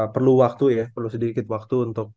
perlu waktu ya perlu sedikit waktu untuk